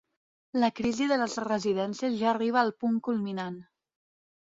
La crisi de les residències ja arriba al punt culminant.